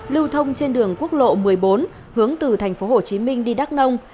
lưu thông trên đường quốc lộ một mươi bốn hướng từ thành phố hồ chí minh đi đắk nông